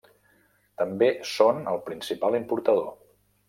També són el principal importador.